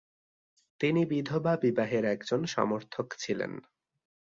তিনি বিধবা বিবাহের একজন সমর্থক ছিলেন।